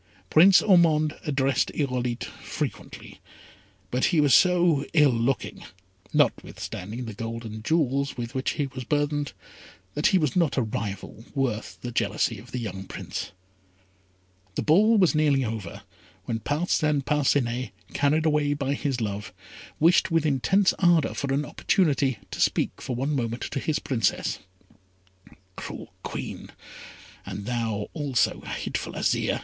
Prince Ormond addressed Irolite frequently; but he was so ill looking, notwithstanding the gold and jewels with which he was burthened, that he was not a rival worth the jealousy of the young Prince. The ball was nearly over, when Parcin Parcinet, carried away by his love, wished with intense ardour for an opportunity to speak for one moment to his Princess. "Cruel Queen, and thou, also, hateful Azire!"